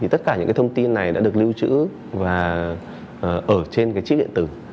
thì tất cả những thông tin này đã được lưu trữ và ở trên chiếc điện tử